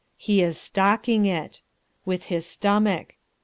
He is "stalking" it. With his stomach.